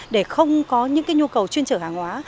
để không có những cái nhu cầu chuyên chở hàng hóa